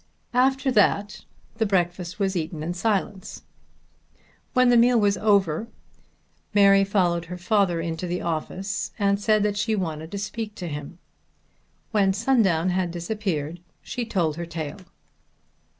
After that the breakfast was eaten in silence. When the meal was over Mary followed her father into the office and said that she wanted to speak to him. When Sundown had disappeared she told her tale.